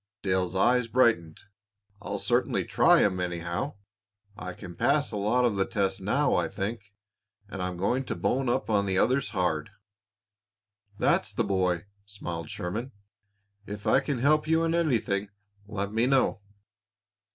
Dale's eyes brightened. "I'll certainly try 'em, anyhow. I can pass a lot of the tests now, I think, and I'm going to bone up on the others hard." "That's the boy!" smiled Sherman. "If I can help you in anything, let me know.